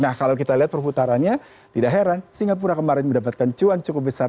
nah kalau kita lihat perputarannya tidak heran singapura kemarin mendapatkan cuan cukup besar